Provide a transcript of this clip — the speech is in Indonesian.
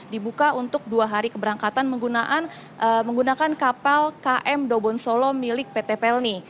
dibuka untuk dua hari keberangkatan menggunakan kapal km dobon solo milik pt pelni